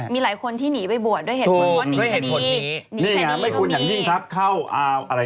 มีหลายคนที่หนีไปบรวรด้วยเหตุผวดก่อนหนีไปดี